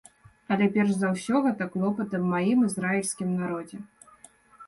Але перш за ўсё гэта клопат аб маім ізраільскім народзе.